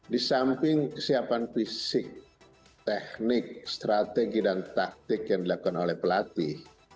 di samping kesiapan fisik teknik strategi dan taktik yang dilakukan oleh pelatih